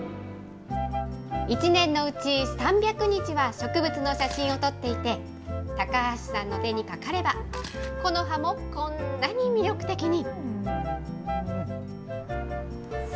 １年のうち３００日は植物の写真を撮っていて、高橋さんの手にかかれば、木の葉もこんなに魅力的に。